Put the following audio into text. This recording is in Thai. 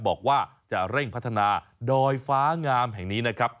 บอกว่าจะเร่งพัฒนาดอยฟ้างามแห่งนี้นะครับ